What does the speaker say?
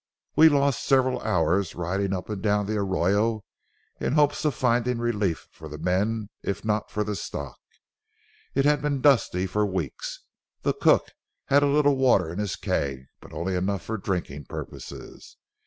We lost several hours riding up and down the arroyo in the hope of finding relief for the men, if not for the stock. It had been dusty for weeks. The cook had a little water in his keg, but only enough for drinking purposes.